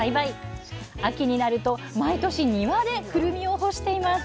秋になると毎年庭でくるみを干しています